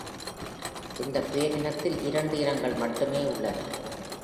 இந்த பேரினத்தில், இரண்டு இனங்கள் மட்டுமே உள்ளன.